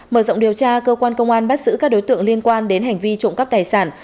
mở rộng điều tra cơ quan công an bắt giữ các đối tượng liên quan đến hành vi trộm cắp tài sản